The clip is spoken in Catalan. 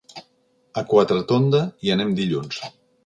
A Quatretonda hi anem dilluns.